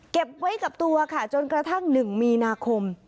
เก็บไว้กับตัวค่ะจนกระทั่ง๑มีนาคม